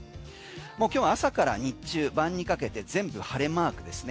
もう今日朝から日中晩にかけて全部晴れマークですね。